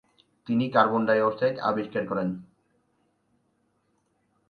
তিনি carbon dioxide আবিষ্কার করেন।